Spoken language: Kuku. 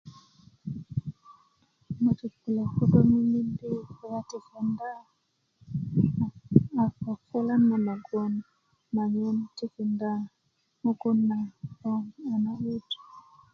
ŋwojik kulo kodó mimiindi kulya ti kenda a ko kulon ŋo lo goŋ manyen tikinda mugun na i gboŋ a na 'but